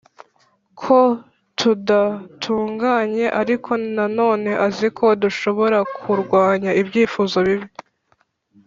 ko tudatunganye Ariko nanone azi ko dushobora kurwanya ibyifuzo bibi